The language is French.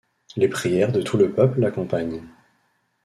Les prières de tout le peuple l’accompagnent.